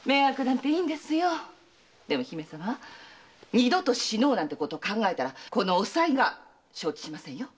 二度と“死のう”なんてこと考えたらこのおさいが承知しませんよ。